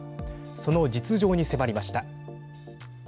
その実情に迫りました。